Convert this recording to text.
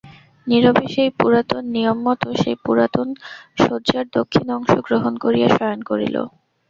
নীরবে সেই পুরাতন নিয়মমতো সেই পুরাতন শয্যার দক্ষিণ অংশ গ্রহণ করিয়া শয়ন করিল।